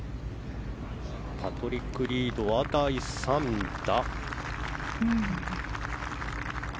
パトリック・リードは第３打。